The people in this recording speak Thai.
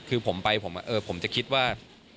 คือผมไปผมจะคิดว่า